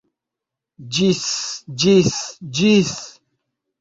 Ĝis... ĝis... ĝis...